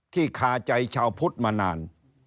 คาใจชาวพุทธมานาน